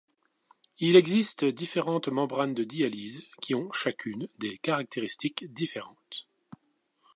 Il existe différentes membranes de dialyse qui ont chacune des caractéristiques différentes.